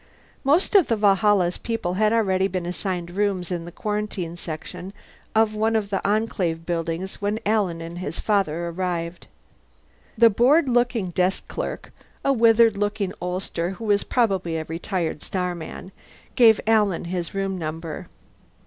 Most of the Valhalla's people had already been assigned rooms in the quarantine section of one of the Enclave buildings when Alan and his father arrived. The bored looking desk clerk a withered looking oldster who was probably a retired Starman gave Alan his room number.